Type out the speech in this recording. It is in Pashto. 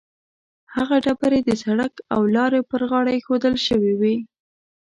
هغه ډبرې د سړک او لارې پر غاړه ایښودل شوې وي.